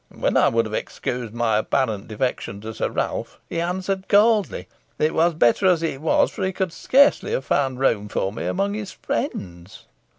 And when I would have excused my apparent defection to Sir Ralph, he answered coldly, 'It was better as it was, for he could scarcely have found room for me among his friends.'"